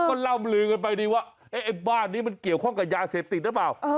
ก็ล่ำลือกันไปดีว่าไอ้บ้านนี้มันเกี่ยวข้องกับยาเสพติดหรือเปล่า